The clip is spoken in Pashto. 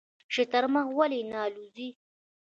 شترمرغ ولې نه الوځي؟